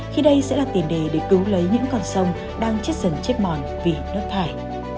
khi đây sẽ là tiền đề để cứu lấy những con sông đang chết dần chết mòn vì nước thải